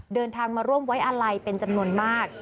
เดินทางมาร่วมไว้อาลัยเป็นจำนวนมาก